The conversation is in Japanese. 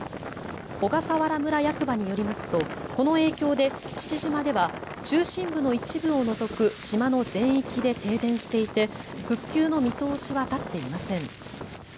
小笠原村役場によりますとこの影響で父島では中心部の一部を除く島の全域で停電していて復旧の見通しは立っていません。